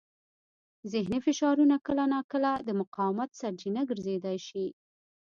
ذهني فشارونه کله ناکله د مقاومت سرچینه ګرځېدای شي.